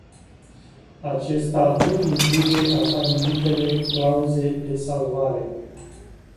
Acesta nu include așa numitele clauze de salvare.